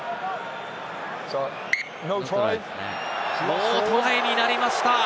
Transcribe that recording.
ノートライになりました。